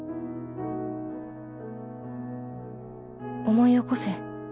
「思い起こせ」